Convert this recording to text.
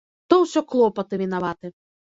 То ўсе клопаты вінаваты.